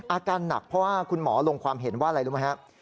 อาการหนักเพราะว่าคุณหมอลงความเห็นว่าอะไรรู้ไหมครับ